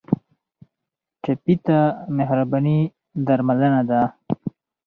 ټپي ته مهرباني درملنه ده.